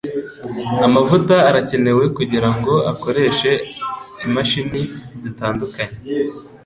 Amavuta arakenewe kugirango akoreshe imashini zitandukanye.